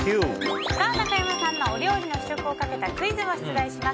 中山さんのお料理の試食をかけたクイズを出題します。